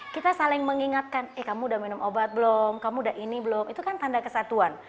kita saling mengingatkan eh kamu udah minum obat belum kamu udah ini belum itu kan tanda kesatuan